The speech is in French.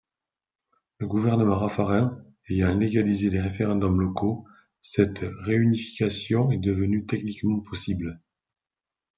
Le gouvernement Raffarin ayant légalisé les référendums locaux, cette réunification est devenue techniquement possible.